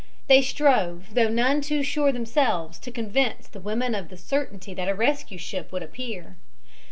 They strove, though none too sure themselves, to convince the women of the certainty that a rescue ship would appear.